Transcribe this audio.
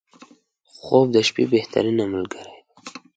• خوب د شپې بهترینه ملګری دی.